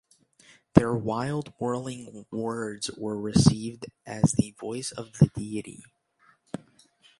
Their wild whirling words were received as the voice of the deity.